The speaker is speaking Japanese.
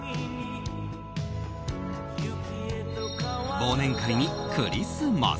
忘年会にクリスマス。